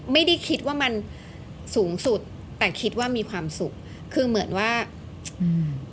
ไม่ได้คิดว่ามันสูงสุดแต่คิดว่ามีความสุขคือเหมือนว่าอืม